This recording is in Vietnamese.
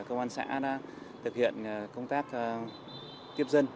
công an xã đã thực hiện công tác tiếp dân